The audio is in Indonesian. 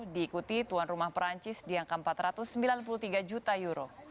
diikuti tuan rumah perancis di angka empat ratus sembilan puluh tiga juta euro